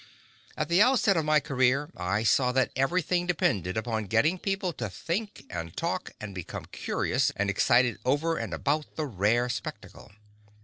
At the outset of my career I saw that everything depended upon getting people to think, and talk, and become curious and excited over and about the "rare spectacle."